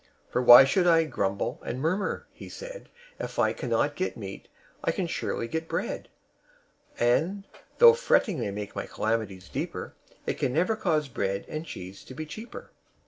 "For why should I grumble and murmur?" he said; "If I cannot get meat, I can surely get bread; And, though fretting may make my calamities deeper, It can never cause bread and cheese to be cheaper."